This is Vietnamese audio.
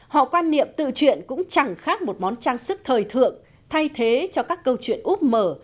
họ quan niệm tự truyện cũng chẳng khác một món trang sức thời thượng thay thế cho các câu chuyện úp mở